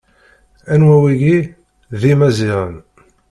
Anwa wigi: D Imaziɣen.